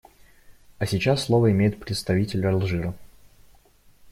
А сейчас слово имеет представитель Алжира.